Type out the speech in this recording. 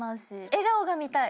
笑顔が見たい。